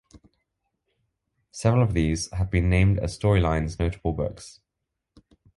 Several of these have been named as Storylines Notable Books.